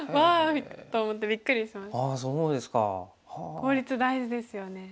効率大事ですよね。